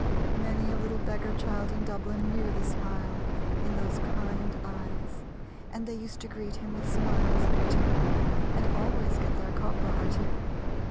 Many a little beggar child in Dublin knew the smile in those kind eyes, and they used to greet him with smiles in return and always get their copper or two.